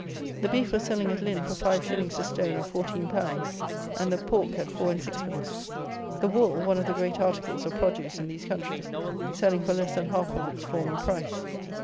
The beef was selling at Lynn for five shillings the stone of fourteen pounds, and the pork at four and sixpence. The wool (one of the great articles of produce in these countries) selling for less than half of its former price.